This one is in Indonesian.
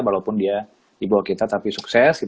walaupun dia dibawah kita tapi sukses